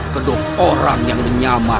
kedok orang yang menyamukkan